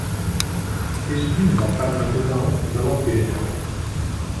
És dins del Parc Natural de l'Alt Pirineu.